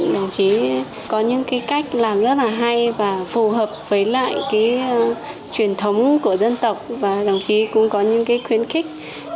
đồng chí có những cái cách làm rất là hay và phù hợp với lại cái truyền thống của dân tộc và đồng chí cũng có những cái khuyến khích